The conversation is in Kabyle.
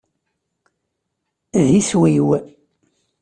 D iswi-w.